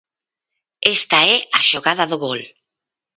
Esta é a xogada do gol.